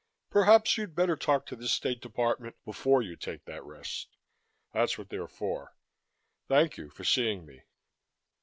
Perhaps you'd better talk to the State Department before you take that rest. That's what they're for. Thank you for seeing me."